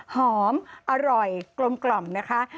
หอมอร่อยกลมนะคะ